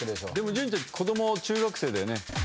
潤ちゃん子供中学生だよね。